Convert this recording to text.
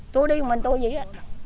tôi đi một mình tôi vậy đó